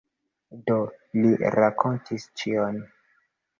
Do li rakontis ĉion.